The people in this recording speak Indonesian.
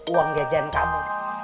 uang gajan kamu